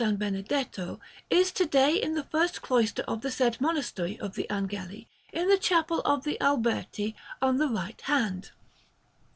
Benedetto, is to day in the first cloister of the said Monastery of the Angeli, in the Chapel of the Alberti, on the right hand.